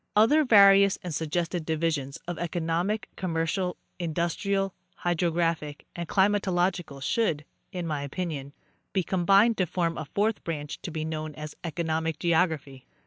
Other various and suggested divisions of economic, commercial, industrial, hydrographic and climatological should, in my opinion, be com bined to form afourth branch to be known as economic geography.